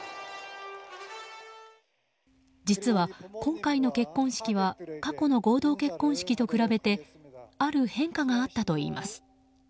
実は、今回の結婚式は過去の合同結婚式と比べてある変化があったといいます。